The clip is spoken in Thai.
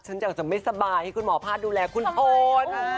ฉันอยากจะไม่สบายให้คุณหมอภาคดูแลคุณพล